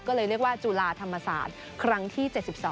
ก็เลยเรียกว่าจุฬาธรรมศาสตร์ครั้งที่๗๒